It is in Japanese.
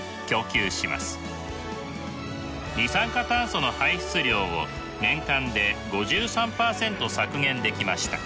二酸化炭素の排出量を年間で５３％削減できました。